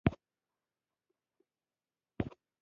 کشران د مشرانو په مخ کې پښې نه اوږدوي.